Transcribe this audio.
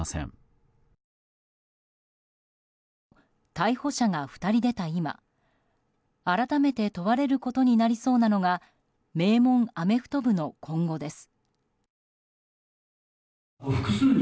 逮捕者が２人出た今改めて問われることになりそうなのが名門アメフト部の今後です。